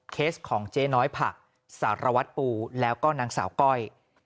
เคสของเจ๊น้อยผักสารวัตรปูแล้วก็นางสาวก้อย